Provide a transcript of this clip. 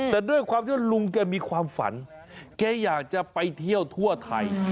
แต่ด้วยความที่ว่าลุงแกมีความฝันแกอยากจะไปเที่ยวทั่วไทย